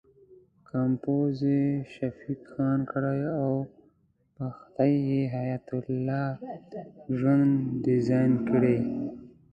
کمپوز یې شفیق خان کړی او پښتۍ یې حیات الله ژوند ډیزاین کړې.